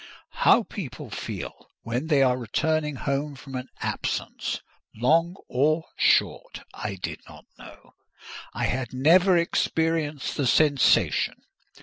How people feel when they are returning home from an absence, long or short, I did not know: I had never experienced the sensation.